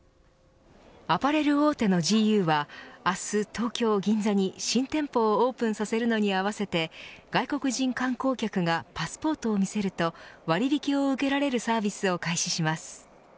アパレル大手のＧＵは明日東京、銀座に新店舗をオープンさせるのに合わせて外国人観光客がパスポートを見せると割引を受けられるサービスを開始します。